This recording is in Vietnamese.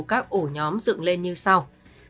các ổ nhóm dựng lên như sau